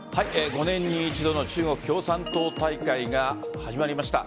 ５年に一度の中国共産党大会が始まりました。